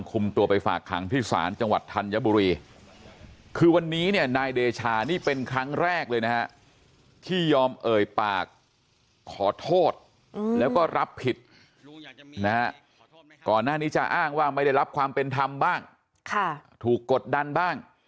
ก่อนหน้านี้จะอ้างว่าไม่ได้รับความเป็นธรรมบ้างถูกกดดันบ้าง